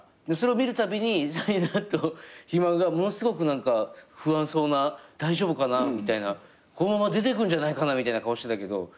でそれを見るたびにサイダーと肥満がものすごく何か不安そうな大丈夫かなみたいなこのまま出てくんじゃないかなみたいな顔してたけど。